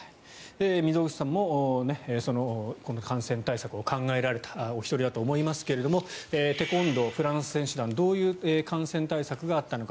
溝口さんもその感染対策を考えられたお一人だと思いますがテコンドーフランス選手団どういう感染対策があったのか。